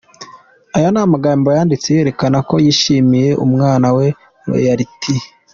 aya namagambo yanditse yerekana ko yishimiye umwana we Royalty.